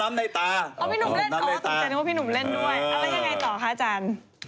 นุ่มเล่นด้วยเอาไปยังไงต่อคะอาจารย์